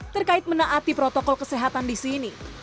terkait menaati protokol kesehatan di sini